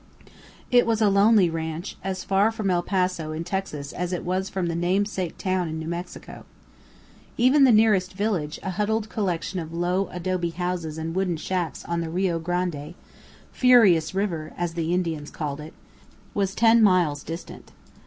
It was a lonely ranch, as far from El Paso in Texas as it was from the namesake town in New Mexico. Even the nearest village, a huddled collection of low adobe houses and wooden shacks on the Rio Grande ("Furious River," as the Indians called it), was ten miles distant.